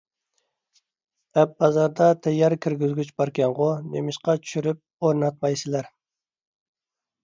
ئەپ بازىرىدا تەييار كىرگۈزگۈچ باركەنغۇ؟ نېمىشقا چۈشۈرۈپ ئورناتمايسىلەر؟